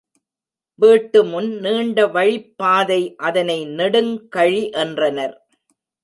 வீட்டுமுன் நீண்ட வழிப்பாதை, அதனை நெடுங்கழி என்றனர்.